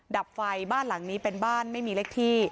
ดับไฟบ้านหลังนี้เป็นบ้านไม่มีเลขที่